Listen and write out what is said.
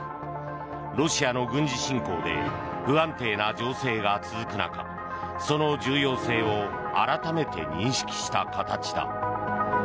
ロシアの軍事侵攻で不安定な情勢が続く中その重要性を改めて認識した形だ。